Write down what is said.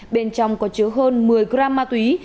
bên trong có chứa hơn một mươi gram ma túy